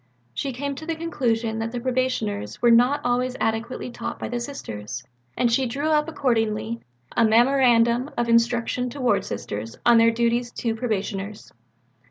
She came to the conclusion that the Probationers were not always adequately taught by the Sisters, and she drew up accordingly a "Memorandum of Instruction to Ward Sisters on their duties to Probationers."